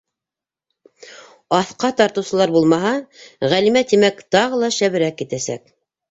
Аҫҡа тартыусылар булмаһа, Ғәлимә, тимәк, тағы ла шәберәк китәсәк.